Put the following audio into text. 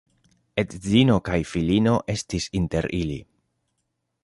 Edzino kaj filino estis inter ili.